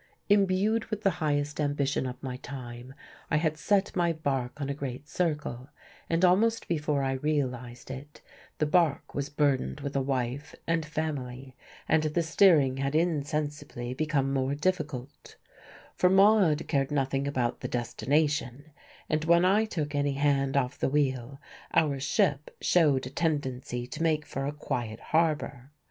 Imbued with the highest ambition of my time, I had set my barque on a great circle, and almost before I realized it the barque was burdened with a wife and family and the steering had insensibly become more difficult; for Maude cared nothing about the destination, and when I took any hand off the wheel our ship showed a tendency to make for a quiet harbour.